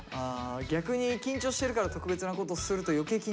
逆に緊張してるから特別なことすると余計緊張する。